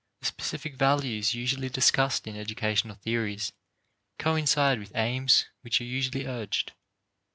The specific values usually discussed in educational theories coincide with aims which are usually urged.